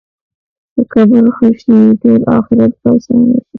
که قبر ښه شي، ټول آخرت به اسان شي.